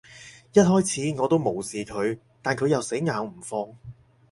一開始，我都無視佢，但佢又死咬唔放